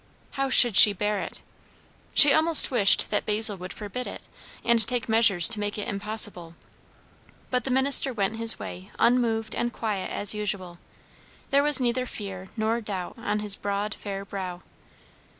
How should she bear it? She almost wished that Basil would forbid it, and take measures to make it impossible; but the minister went his way unmoved and quiet as usual; there was neither fear nor doubt on his broad fair brow.